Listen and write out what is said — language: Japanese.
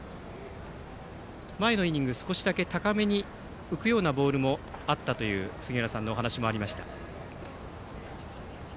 前のイニング、少しだけ高めに浮くようなボールもあったという杉浦さんのお話もありました。